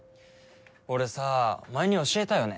俺さ前に教えたよね。